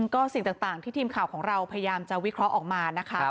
ก็สิ่งต่างที่ทีมข่าวของเราพยายามจะวิเคราะห์ออกมานะคะ